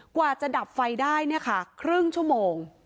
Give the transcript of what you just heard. กว่าจะดับไฟได้เนี่ยค่ะครึ่งชั่วโมง